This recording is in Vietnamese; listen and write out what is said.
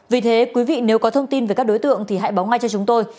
vì thế quý vị nếu có thông tin về các đối tượng thì hãy báo ngay cho chúng tôi